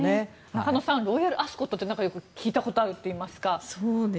中野さんロイヤルアスコットって聞いたことあるといいますか。